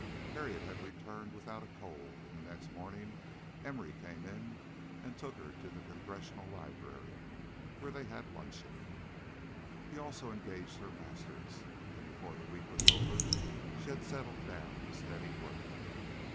Harriet had returned without a cold, and the next morning Emory came in and took her to the Congressional Library, where they had luncheon. He also engaged her masters, and before the week was over she had settled down to steady work.